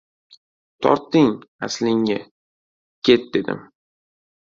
Tortding, aslingga! Ket! — dedim.